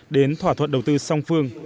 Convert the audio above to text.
đến thỏa thuận đầu tư song phương